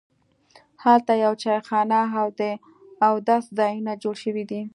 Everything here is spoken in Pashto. هلته یوه چایخانه او د اودس ځایونه جوړ شوي دي.